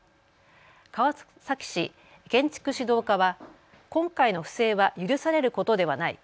川崎市建築指導課は今回の不正は許されることではない。